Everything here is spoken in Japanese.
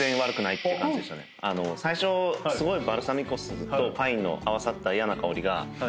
最初すごいバルサミコ酢とパインの合わさった嫌な香りが。